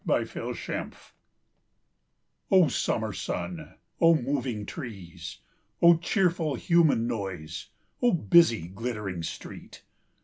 O Summer sun, O moving trees! O cheerful human noise, O busy glittering street!